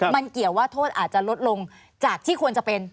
มันเกี่ยวว่าโทษอาจจะลดลงจากที่ควรจะเป็น